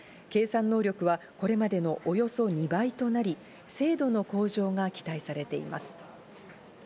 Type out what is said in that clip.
計算能力はこれまでのおよそ２倍となり、精度の向上が期待されています。